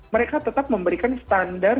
mereka tetap memberikan standar